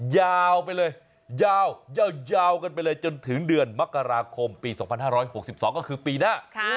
ยาวไปเลยยาวยาวกันไปเลยจนถึงเดือนมกราคมปี๒๕๖๒ก็คือปีหน้า